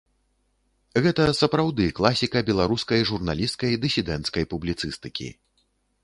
Гэта сапраўды класіка беларускай журналісцкай, дысідэнцкай публіцыстыкі.